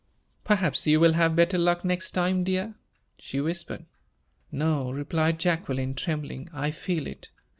"Perhaps you will have better luck next time, dear," she whispered. "No," replied Jacqueline, trembling, "I feel it.